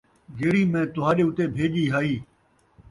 جِہڑی مَیں تُہاݙے اُتے بھیڄی ہئی ۔